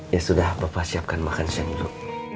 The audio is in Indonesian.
ya sudah bapak siapkan makan siang dulu